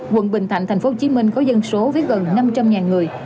quận bình thạnh tp hcm có dân số với gần năm trăm linh người